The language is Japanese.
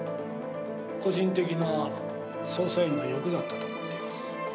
個人的な捜査員の欲だったと思っています。